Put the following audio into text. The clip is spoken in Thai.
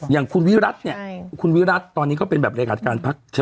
อย่างคุณวิรัติเนี่ยคุณวิรัติตอนนี้ก็เป็นแบบรายการการพัก